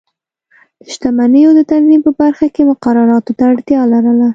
د شتمنیو د تنظیم په برخه کې مقرراتو ته اړتیا لرله.